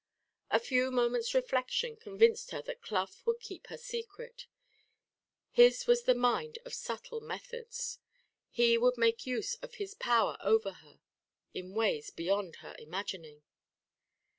A few moments' reflection convinced her that Clough would keep her secret. His was the mind of subtle methods. He would make use of his power over her in ways beyond her imagining.